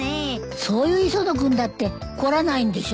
そういう磯野君だって凝らないんでしょ？